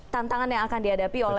tantangan yang akan dihadapi